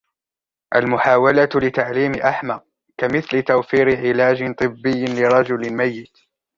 المحاولة لتعليم أحمق كمثل توفير علاجٍ طبي لرجل ميت.